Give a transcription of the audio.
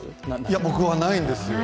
僕はないんです。